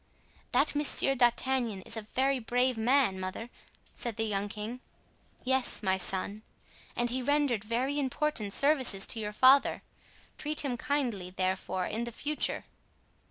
"That Monsieur d'Artagnan is a very brave man, mother," said the young king. "Yes, my son; and he rendered very important services to your father. Treat him kindly, therefore, in the future."